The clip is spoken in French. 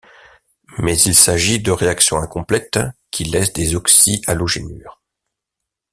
Mais il s'agit de réactions incomplètes qui laissent des oxyhalogénures.